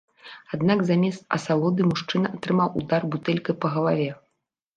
Аднак замест асалоды мужчына атрымаў удар бутэлькай па галаве.